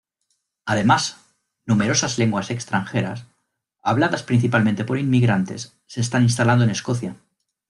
Además, numerosas lenguas extranjeras, habladas principalmente por inmigrantes, se están instalando en Escocia.